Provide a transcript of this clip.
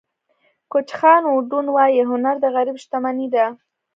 کوچ جان ووډن وایي هنر د غریب شتمني ده.